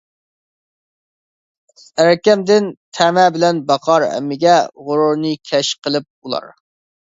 («ئەركەم»دىن) تەمە بىلەن باقار ھەممىگە، غۇرۇرىنى كەش قىلىپ ئۇلار.